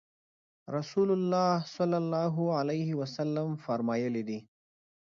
رسول الله صلی الله علیه وسلم فرمایلي دي